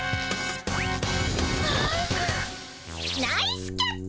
ナイスキャッチ。